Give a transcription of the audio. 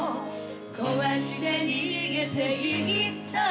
こわして逃げて行った